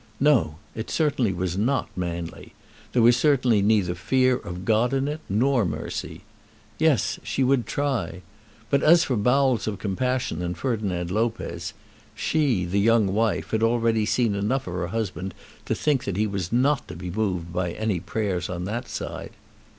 No; it certainly was not manly. There certainly was neither fear of God in it, nor mercy. Yes; she would try. But as for bowels of compassion in Ferdinand Lopez ; she, the young wife, had already seen enough of her husband to think that he was not to be moved by any prayers on that side.